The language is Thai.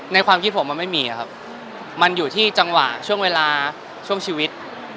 ความคิดผมมันไม่มีครับมันอยู่ที่จังหวะช่วงเวลาช่วงชีวิต